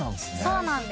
そうなんです。